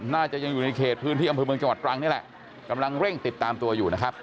น่าจะยังอยู่ในเขตพื้นที่อำเภอเมืองจังหวัดตรังนี่แหละกำลังเร่งติดตามตัวอยู่นะครับ